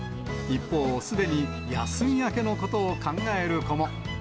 一方、すでに休み明けのことを考える子も。